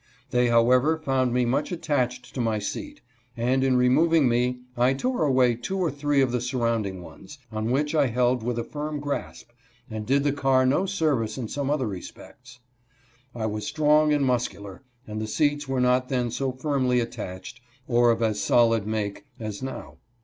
They however found me much attached to my seat, and in removing me I tore away two or three of the sur rounding ones, on which I held with a firm grasp, and did the car no service in some other respects. I was strong and muscular, and the seats were not then so firmly attached or of as solid make. as now.